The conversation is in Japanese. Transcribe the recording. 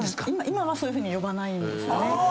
今はそういうふうに呼ばない。